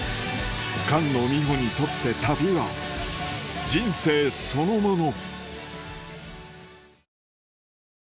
菅野美穂にとって旅は人生そのもの